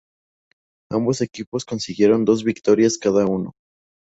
Ambos equipos consiguieron dos victorias cada uno.